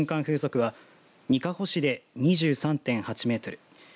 風速はにかほ市で２３．８メートル